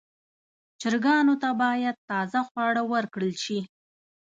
چرګانو ته باید تازه خواړه ورکړل شي.